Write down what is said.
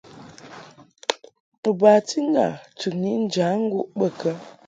U bati ŋgâ chɨŋni njaŋguʼ bə kə ?